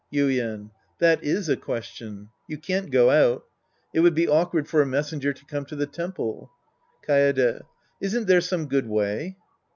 Yuien. That is a question. You can't go out. It would be awkward for a messenger to come to the tem.ple. Kaede. Isn't there some good way